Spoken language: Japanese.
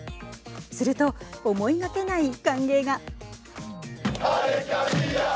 すると、思いがけない歓迎が。